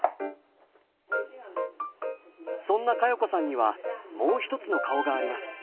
そんな加代子さんにはもう一つの顔があります。